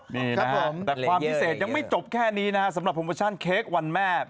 ดีครับผมแต่ความพิเศษยังไม่จบแค่นี้นะครับสำหรับโปรโมชั่นเค้กวันแม่